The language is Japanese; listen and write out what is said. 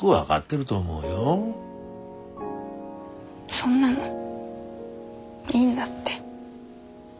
そんなのいいんだって。